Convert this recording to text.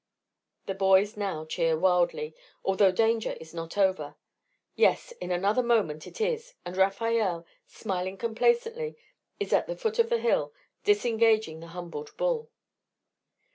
The boys now cheer wildly, although danger is not over yes, in another moment it is, and Rafael, smiling complacently, is at the foot of the hill, disengaging the humbled bull.